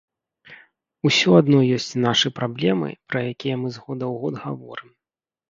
Усё адно ёсць нашы праблемы, пра якія мы з года ў год гаворым.